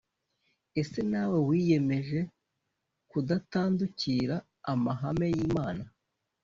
ese nawe wiyemeje kudatandukira amahame y imana